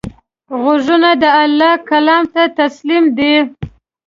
غوږونه د الله کلام ته تسلیم دي